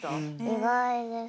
意外です。